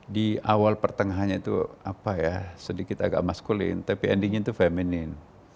di awal pertengahannya itu apa ya sedikit agak maskulin tapi endingnya itu feminin